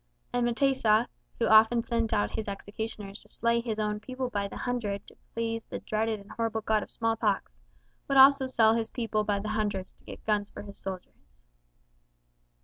And M'tesa, who often sent out his executioners to slay his own people by the hundred to please the dreaded and horrible god of small pox, would also sell his people by the hundred to get guns for his soldiers.